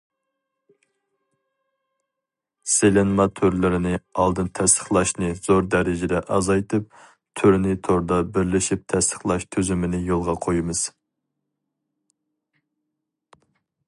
سېلىنما تۈرلىرىنى ئالدىن تەستىقلاشنى زور دەرىجىدە ئازايتىپ، تۈرنى توردا بىرلىشىپ تەستىقلاش تۈزۈمىنى يولغا قويىمىز.